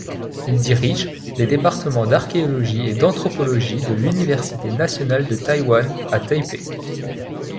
Il dirige les départements d'archéologie et d'anthropologie de l'université nationale de Taïwan à Taipei.